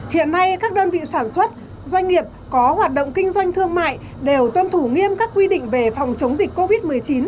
hiện nay các đơn vị sản xuất doanh nghiệp có hoạt động kinh doanh thương mại đều tuân thủ nghiêm các quy định về phòng chống dịch covid một mươi chín